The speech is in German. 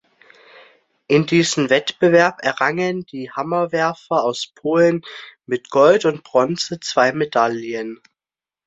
In diesem Wettbewerb errangen die Hammerwerfer aus Polen mit Gold und Bronze zwei Medaillen.